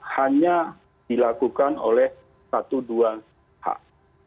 hanya dilakukan oleh satu dua hak